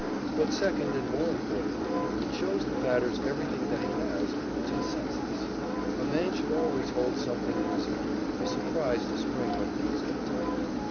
But second and more important, it shows the batters everything that he has, which is senseless. A man should always hold something in reserve, a surprise to spring when things get tight.